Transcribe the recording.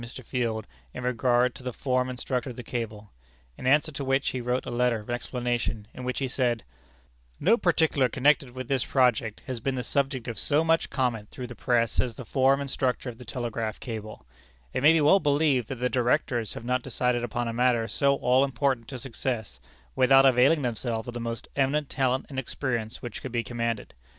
[B] On his return to America, many inquiries were addressed to Mr. Field in regard to the form and structure of the cable, in answer to which he wrote a letter of explanation in which he said: "No particular connected with this great project has been the subject of so much comment through the press as the form and structure of the telegraph cable. It may be well believed that the Directors have not decided upon a matter so all important to success, without availing themselves of the most eminent talent and experience which could be commanded.